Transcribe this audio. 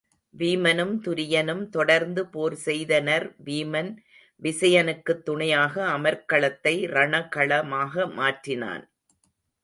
வீமனும் துரியனும் தொடர்ந்து போர் செய்தனர் வீமன் விசயனுக்குத் துணையாக அமர்க்களத்தை ரணகள மாக மாற்றினான்.